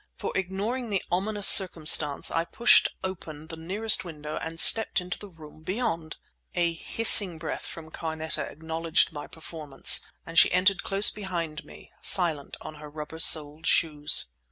For, ignoring the ominous circumstance, I pushed open the nearest window and stepped into the room beyond! A hissing breath from Carneta acknowledged my performance, and she entered close behind me, silent in her rubber soled shoes.